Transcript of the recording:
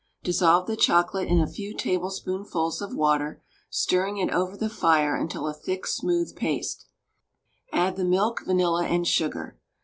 Dissolve the chocolate in a few tablespoonfuls of water, stirring it over the fire until a thick, smooth paste; add the milk, vanilla, and sugar.